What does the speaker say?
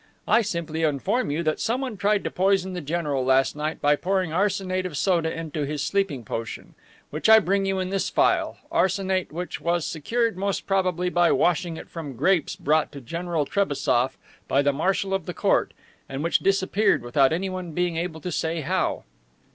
I simply inform you that someone tried to poison the general last night by pouring arsenate of soda into his sleeping potion, which I bring you in this phial, arsenate which was secured most probably by washing it from grapes brought to General Trebassof by the marshal of the court, and which disappeared without anyone being able to say how."